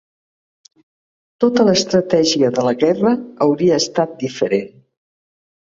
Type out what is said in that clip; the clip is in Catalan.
Tota l'estratègia de la guerra hauria estat diferent.